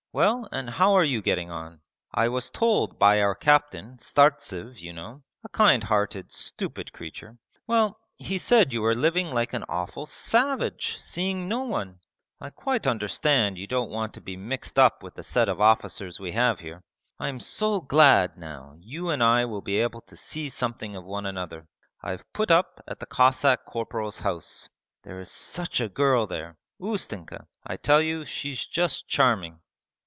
Well, and how are you getting on? I was told by our captain, Startsev you know, a kind hearted stupid creature.... Well, he said you were living like an awful savage, seeing no one! I quite understand you don't want to be mixed up with the set of officers we have here. I am so glad now you and I will be able to see something of one another. I have put up at the Cossack corporal's house. There is such a girl there. Ustenka! I tell you she's just charming.'